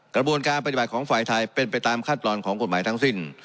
กระบวนการปฏิบัติของฝ่ายไทยเป็นไปตามขั้นตอนของกฎหมายทั้งสิ้น